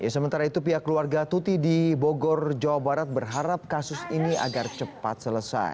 sementara itu pihak keluarga tuti di bogor jawa barat berharap kasus ini agar cepat selesai